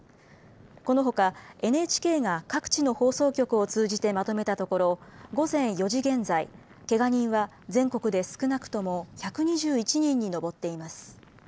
このほか、ＮＨＫが各地の放送局を通じてまとめたところ午前４時現在、けが人は全国で少なくとも１２１人に上っています。